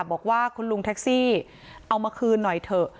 บอกว่าคุณลุงแท็กซี่เอามาคืนหน่อยเถอะ